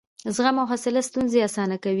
زغم او حوصله ستونزې اسانه کوي.